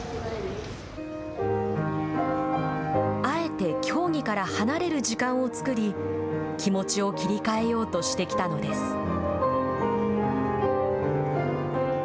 あえて競技から離れる時間を作り気持ちを切り替えようとしてきたのです。